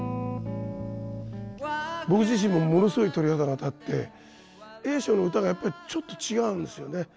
僕自身もものすごい鳥肌が立って栄昇の歌がやっぱりちょっと違うんですよね